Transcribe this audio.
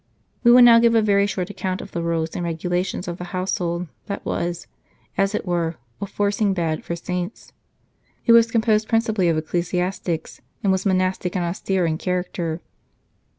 We will now give a very short account of the rules and regulations of the household that was, as it were, a forcing bed for saints. It was composed principally of ecclesiastics, and was monastic and austere in character.